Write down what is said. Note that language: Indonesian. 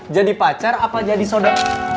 jadi pacar apa jadi soda